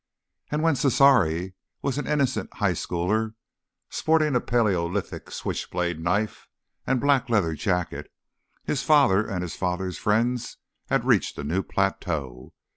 And when Cesare was an innocent high schooler, sporting a Paleolithic switchblade knife and black leather jacket, his father and his father's friends had reached a new plateau.